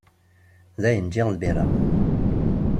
Dayen, ǧǧiɣ lbira.